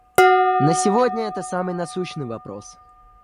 На сегодня это самый насущный вопрос.